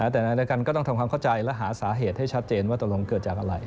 แต่ในรายการก็ต้องทำความเข้าใจและหาสาเหตุให้ชัดเจนว่าตกลงเกิดจากอะไร